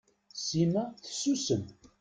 Sima tessusem.